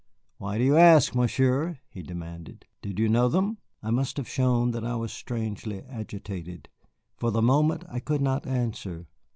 "Why do you ask, Monsieur?" he demanded. "Did you know them?" I must have shown that I was strangely agitated. For the moment I could not answer.